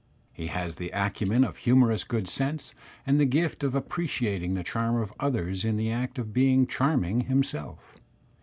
He has the acumen of humorous good sense and the ^t of appreciating the charm of others in the act of being charming himself.